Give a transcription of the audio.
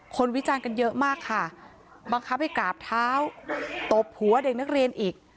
วิจารณ์กันเยอะมากค่ะบังคับให้กราบเท้าตบหัวเด็กนักเรียนอีก